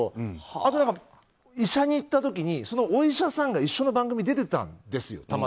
あと、医者に行った時にそのお医者さんが一緒の番組にたまたま出てたんですよ。